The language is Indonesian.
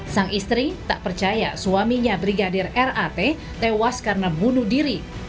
sang istri tak percaya suaminya brigadir rat tewas karena bunuh diri